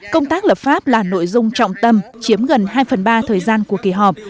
công tác lập pháp là nội dung trọng tâm chiếm gần hai phần ba thời gian của kỳ họp